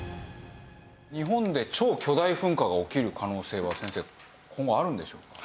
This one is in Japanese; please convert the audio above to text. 日本で超巨大噴火が起きる可能性は先生今後あるんでしょうか？